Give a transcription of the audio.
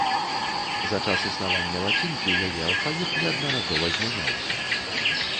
За час існавання лацінкі яе алфавіт неаднаразова змяняўся.